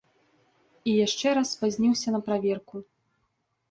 І яшчэ раз спазніўся на праверку.